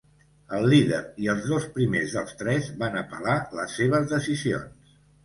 El líder i els dos primers dels tres van apel·lar les seves decisions.